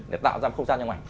để tạo ra không gian trong ảnh